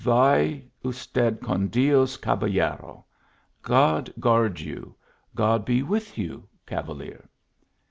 " Vay usted con Dios cabal lero !"" God guard you 1 "" God be with you ! cavalier